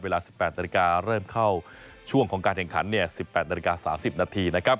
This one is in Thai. เวลา๑๘นาฬิกาเริ่มเข้าช่วงของการแข่งขัน๑๘นาฬิกา๓๐นาทีนะครับ